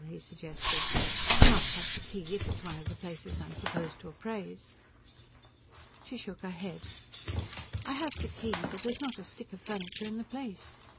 he suggested. "You must have the key if it's one of the places I'm supposed to appraise." She shook her head. "I have the key, but there's not a stick of furniture in the place.